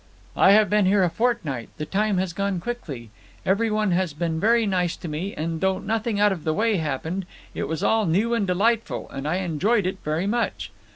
"I have been here a fortnight. The time has gone quickly. Every one was very nice to me; and, though nothing out of the way happened, it was all new and delightful, and I enjoyed it very much.